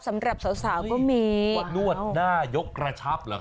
สำหรับสาวก็มีนวดนวดหน้ายกกระชับเหรอค